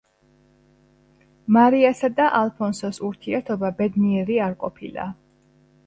მარიასა და ალფონსოს ურთიერთობა ბედნიერი არ ყოფილა.